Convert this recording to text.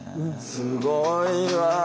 すごいわ！